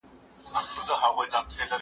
زه به سبزیجات تيار کړي وي!.